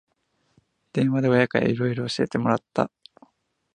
電話で親からいろいろ教えてもらった